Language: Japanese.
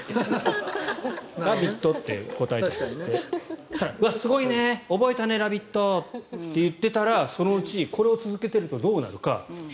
うわっ、すごいね覚えたね、ラビットって言ってたらそのうち、これを続けているとどうなるのか。